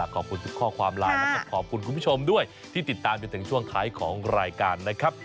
ขอบคุณทุกข้อความไลน์แล้วก็ขอบคุณคุณผู้ชมด้วยที่ติดตามจนถึงช่วงท้ายของรายการนะครับ